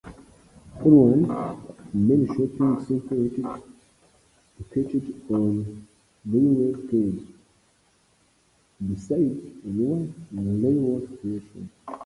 Allawah's main shopping centre is located on Railway Parade, beside Allawah railway station.